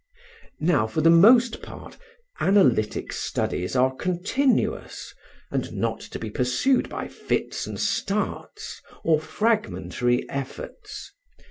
Now, for the most part analytic studies are continuous, and not to be pursued by fits and starts, or fragmentary efforts.